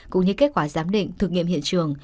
cũng như kết quả giám định thực nghiệm hiện trường